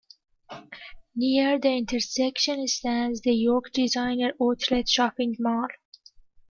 Near the intersection stands the York Designer Outlet shopping mall.